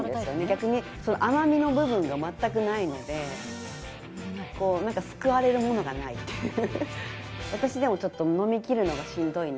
逆に甘みの部分が全くないので救われるものがないという。